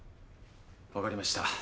分かりました。